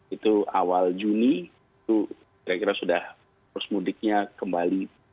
itu awal juni itu saya kira sudah mudiknya kembali